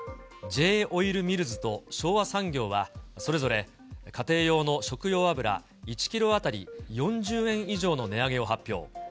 Ｊ−オイルミルズと昭和産業は、それぞれ家庭用の食用油１キロ当たり４０円以上の値上げを発表。